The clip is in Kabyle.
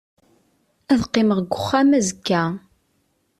Ad qqimen deg uxxam azekka.